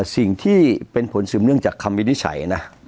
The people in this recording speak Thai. สิ่งที่เป็นผลสืบเนื่องจากคำวินิจฉัยนะ